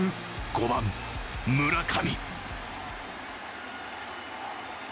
５番・村上。